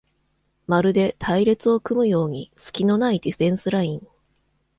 まるで隊列を組むようにすきのないディフェンスライン